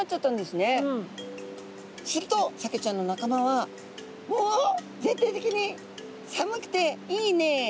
するとサケちゃんの仲間は「おお！全体的に寒くていいね。